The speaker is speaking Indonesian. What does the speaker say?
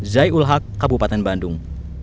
zai ul haq kabupaten bandung